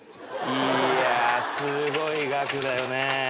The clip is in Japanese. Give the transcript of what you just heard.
いやすごい額だよね。